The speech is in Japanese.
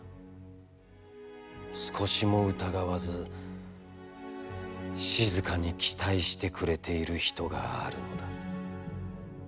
少しも疑わず、静かに期待してくれている人があるのだ。